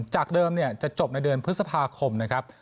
จากเดิมจะจบในเดือนพฤษภาคมนะครับ